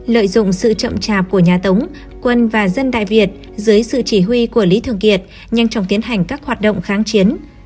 lợi dụng sự chậm chạp của nhà tống quân và dân đại việt dưới sự chỉ huy của lý thường kiệt nhanh chóng tiến hành các hoạt động kháng chiến